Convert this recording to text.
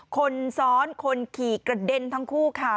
คนซ้อนคนขี่กระเด็นทั้งคู่ค่ะ